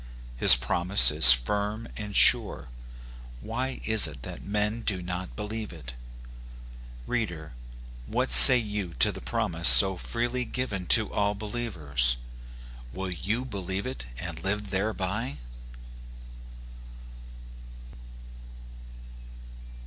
His promise is firm and sure ; why is it that men do not believe it ? Reader, what say you to the promise so freely given to all believers? Will you believe it and live thereby